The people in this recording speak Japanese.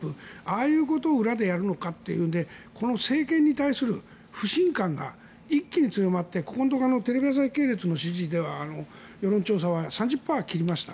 ああいうことを裏でやるのかというのでこの政権に対する不信感が一気に強まってここのところのテレビ朝日の支持率の世論調査は３０％を切りました。